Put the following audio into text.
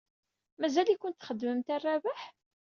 Mazal-ikent txeddmemt ɣer Rabaḥ?